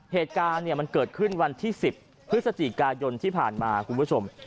เหตุการณ์มันเกิดขึ้นวันที่๑๐พฤศจิกายนที่ผ่านมาคุณผู้ชม